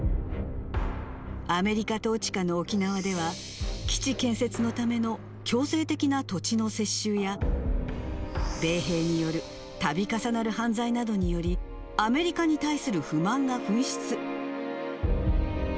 アメリカ統治下の沖縄では、基地建設のための強制的な土地の接収や、米兵によるたび重なる犯罪などにより、アメリカに対する不満が噴出。